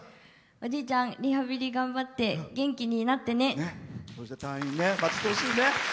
おじいちゃんリハビリ頑張って元気になってね。